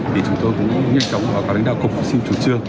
thì chúng tôi cũng nhanh chóng và có lãnh đạo cục xin chủ trương